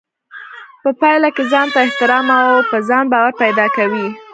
په پايله کې ځانته احترام او په ځان باور پيدا کوي.